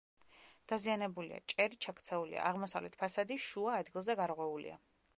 დაზიანებულია: ჭერი ჩაქცეულია, აღმოსავლეთ ფასადი შუა ადგილზე გარღვეულია.